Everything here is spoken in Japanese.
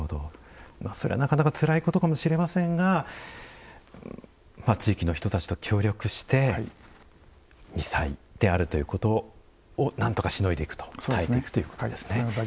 それは、なかなかつらいことかもしれませんが地域の人たちと協力して「未災」であるということをなんとかしのいでいくと耐えていくということですね。